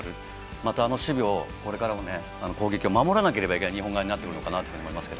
また、これから攻撃を守らなければいけない日本側になるのかなと思います。